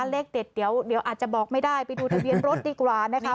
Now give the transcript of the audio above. เลขเด็ดเดี๋ยวอาจจะบอกไม่ได้ไปดูทะเบียนรถดีกว่านะคะ